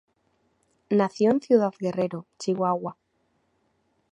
Nació en Ciudad Guerrero, Chihuahua.